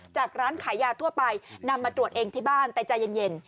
ร้านขายยาทั่วไปนำมาตรวจเองที่บ้านแต่ใจเย็น